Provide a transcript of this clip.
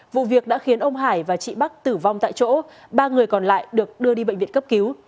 vụ việc đã khiến ông hải và chị bắc tử vong tại chỗ ba người còn lại được đưa đi bệnh viện cấp cứu